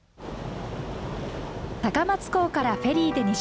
高松港からフェリーで２０分。